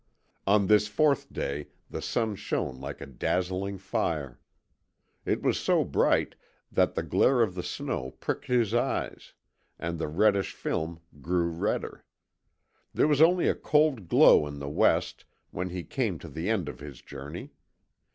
On this fourth day the sun shone like a dazzling fire. It was so bright that the glare of the snow pricked his eyes, and the reddish film grew redder. There was only a cold glow in the west when he came to the end of his journey.